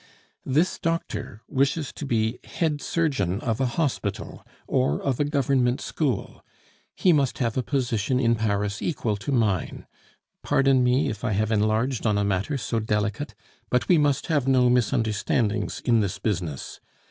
This doctor wishes to be head surgeon of a hospital or of a Government school. He must have a position in Paris equal to mine.... Pardon me if I have enlarged on a matter so delicate; but we must have no misunderstandings in this business.